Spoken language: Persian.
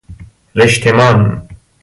رشتمان